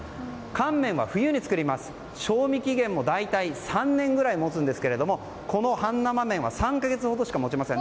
乾麺は冬に作りまして賞味期限は３年ぐらい持つんですがこの半生麺は３か月ほどしか持ちません。